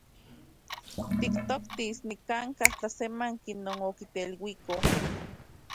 Tiktoktis nikan’ka tlasemanki non otikteluiko.